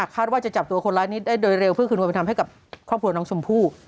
ว่าจะจับตัวคนร้ายนี้ได้โดยเร็วเพื่อคืนความเป็นธรรมให้กับครอบครัวน้องชมพู่